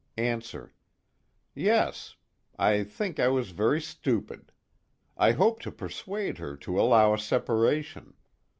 ANSWER: Yes. I think I was very stupid. I hoped to persuade her to allow a separation.